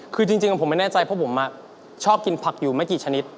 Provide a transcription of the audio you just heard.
คือจริงผมไม่แน่ใจเพราะผมชอบกินผักอยู่ไม่กี่ชนิด